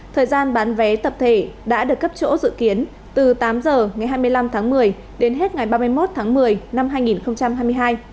thời gian bán vé tập thể đã được cấp chỗ dự kiến từ tám giờ ngày hai mươi năm tháng một mươi đến hết ngày ba mươi một tháng một mươi năm hai nghìn hai mươi hai